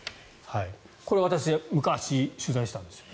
これ、私昔、取材したんですよ。